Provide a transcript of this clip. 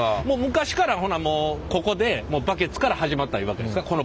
もう昔からほなもうここでバケツから始まったいうわけですか？